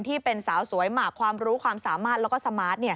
ที่เป็นสาวสวยหมากความรู้ความสามารถแล้วก็สมาร์ท